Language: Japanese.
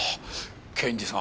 検事さん